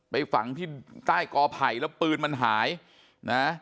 ไปฝังที่ใต้กอไผ่แล้วปืนมันหายนะ